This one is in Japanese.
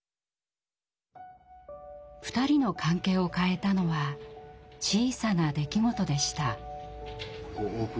２人の関係を変えたのは小さな出来事でした。